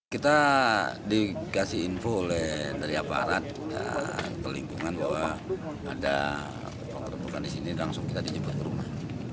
kita dikasih info oleh dari aparat pelingkungan bahwa ada pengerebekan di sini langsung kita dijemput ke rumah